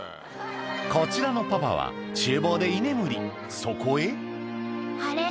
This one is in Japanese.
こちらのパパは厨房で居眠りそこへあれ？